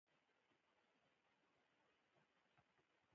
څنګه کولی شم د ګوګل له لارې خپل ویبسایټ راته راولم